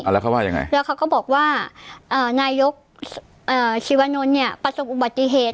แล้วเขาว่ายังไงแล้วเขาก็บอกว่านายกชีวนนท์เนี่ยประสบอุบัติเหตุ